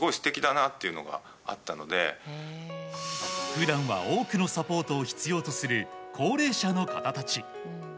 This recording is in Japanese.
普段は多くのサポートを必要とする高齢者の方たち。